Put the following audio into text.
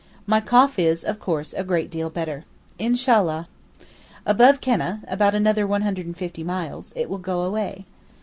My cough is, of course, a great deal better. Inshallah! Above Keneh (about another 150 miles) it will go away.